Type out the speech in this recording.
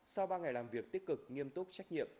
sau ba ngày làm việc tích cực nghiêm túc trách nhiệm